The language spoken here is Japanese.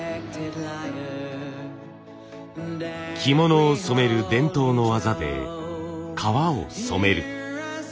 着物を染める伝統の技で革を染める。